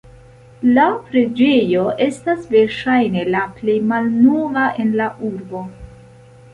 La preĝejo estas verŝajne la plej malnova en la urbo.